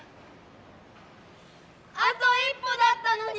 あと一歩だったのに！